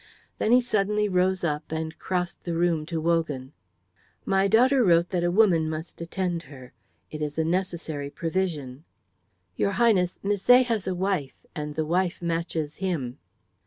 Then he suddenly rose up and crossed the room to Wogan. "My daughter wrote that a woman must attend her. It is a necessary provision." "Your Highness, Misset has a wife, and the wife matches him."